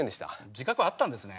自覚あったんですね。